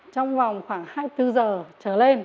trong vòng khoảng hai mươi bốn giờ trở lên